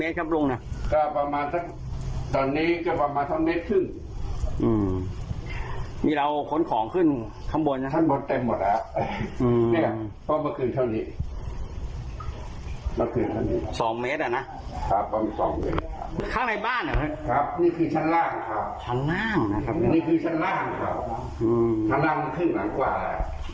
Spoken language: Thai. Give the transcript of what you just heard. ชั้นล่างครับนี่คือชั้นล่างครับชั้นล่างมันขึ้นหลังกว่าแล้ว